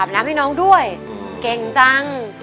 น้ำให้น้องด้วยเก่งจัง